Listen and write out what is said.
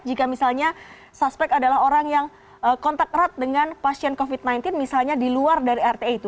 jika misalnya suspek adalah orang yang kontak erat dengan pasien covid sembilan belas misalnya di luar dari rt itu